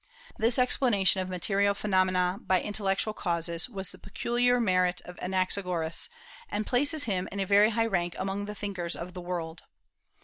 This explanation of material phenomena by intellectual causes was the peculiar merit of Anaxagoras, and places him in a very high rank among the thinkers of the world.